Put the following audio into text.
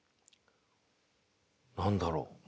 何だろう